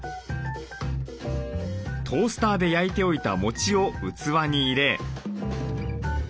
トースターで焼いておいたもちを器に入れ。